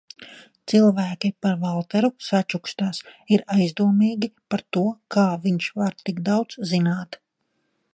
Cilvēki par Valteru sačukstas, ir aizdomīgi par to, kā viņš var tik daudz zināt.